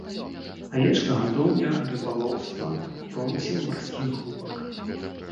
Авечкагадоўля, рыбалоўства, промысел марскіх губак.